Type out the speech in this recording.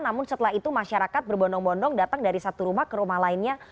namun setelah itu masyarakat berbondong bondong datang dari satu rumah ke rumah lainnya